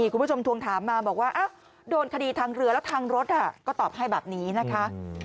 คุณผู้ชมทวงถามมาบอกว่าโดนคดีทางเรือแล้วทางรถก็ตอบให้แบบนี้นะคะ